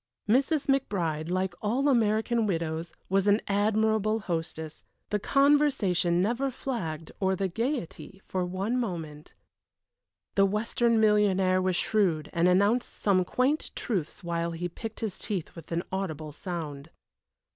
Mrs. McBride, like all American widows, was an admirable hostess; the conversation never flagged, or the gayety for one moment. The Western millionaire was shrewd, and announced some quaint truths while he picked his teeth with an audible sound.